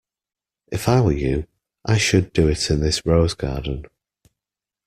If I were you, I should do it in this rose garden.